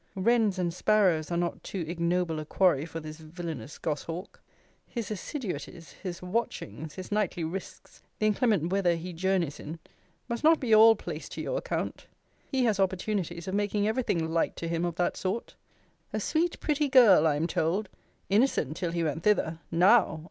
Wrens and sparrows are not too ignoble a quarry for this villainous gos hawk! His assiduities; his watchings; his nightly risques; the inclement weather he journeys in; must not be all placed to your account. He has opportunities of making every thing light to him of that sort. A sweet pretty girl, I am told innocent till he went thither Now!